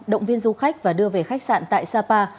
động viên du khách và đưa về khách sạn tại sapa